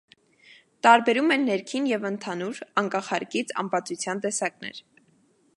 Տարբերում են ներքին և ընդհանուր (անկախ հարկից) ամպամածության տեսակներ։